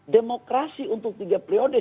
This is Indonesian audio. demokrasi untuk tiga prioritas